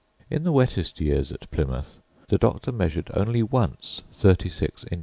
In the wettest years at Plymouth the Doctor measured only once 36 in.